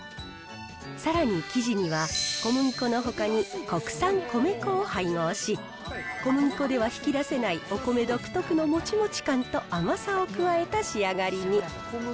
さらに生地には、小麦粉のほかに国産米粉を配合し、小麦粉では引き出せないお米独特のもちもち感と甘さを加えた仕上がりに。